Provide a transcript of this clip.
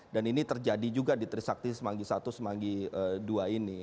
dan ini terjadi juga di trisakti semanggi satu semanggi dua ini